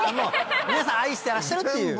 皆さん愛してらっしゃるっていう。